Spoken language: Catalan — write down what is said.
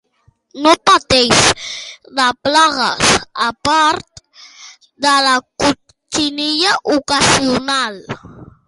No pateix de plagues, a part de la cotxinilla ocasional.